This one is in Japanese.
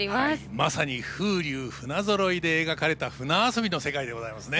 まさに「風流船揃」で描かれた舟遊びの世界でございますね。